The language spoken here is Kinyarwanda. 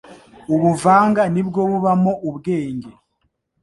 ubuvanga ni bwo bubamo ubwenge